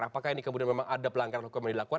apakah ini memang ada pelanggaran hukuman yang dilakukan